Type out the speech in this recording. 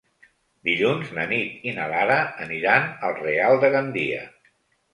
Dilluns na Nit i na Lara aniran al Real de Gandia.